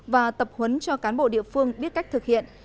và tập huấn cho cán bộ địa phương biết cách thực hiện